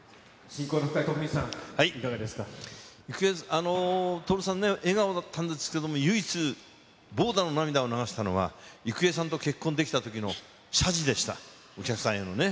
いかがです、徳光さん、徹さんね、笑顔だったんですけれども、唯一、ぼうだの涙を流したのは、郁恵さんと結婚できたときの謝辞でした、お客さんへのね。